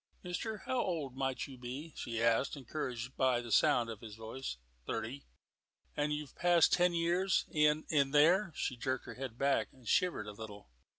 "Mister, how old might you be?" she asked, encouraged by the sound of his voice. "Thirty." "And you've passed ten years in in there." She jerked her head back and shivered a little.